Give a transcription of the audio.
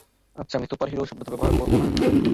আচ্ছা, আমি সুপারহিরো শব্দটা ব্যবহার করব না।